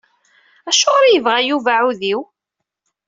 Acuɣer i yebɣa Yuba aɛewdiw?